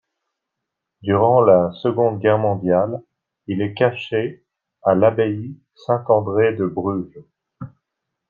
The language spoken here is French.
Durant la seconde guerre mondiale, il est caché à l'abbaye Saint-André de Bruges.